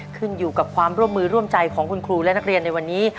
ขึ้นอยู่กับความร่วมมือร่วมใจของคุณครูและนักเรียนในวันนี้